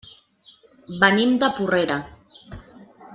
Venim de Porrera.